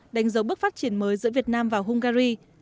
đánh dấu bước phát triển mới giữa việt nam và hungary